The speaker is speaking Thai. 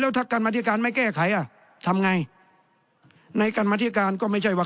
แล้วถ้ากรรมธิการไม่แก้ไขอ่ะทำไงในการมาธิการก็ไม่ใช่ว่า